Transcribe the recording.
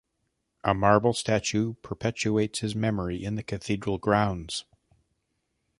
A marble statue perpetuates his memory in the Cathedral grounds.